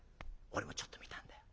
俺もちょっと見たんだよ。